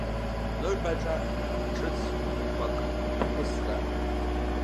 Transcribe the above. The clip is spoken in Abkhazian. Ныҳәаҿа ҿыцқәак аԥысҵар?